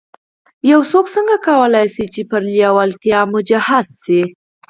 يو څوک څنګه کولای شي چې پر لېوالتیا مجهز شي.